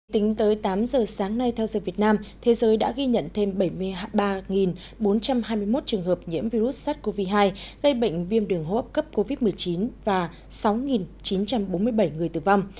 tính tới tám giờ sáng nay theo giờ việt nam thế giới đã ghi nhận thêm bảy mươi ba bốn trăm hai mươi một trường hợp nhiễm virus sars cov hai gây bệnh viêm đường hô hấp cấp covid một mươi chín và sáu chín trăm bốn mươi bảy người tử vong